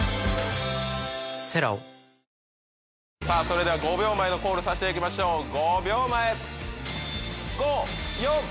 さあそれでは５秒前のコールしていきましょう。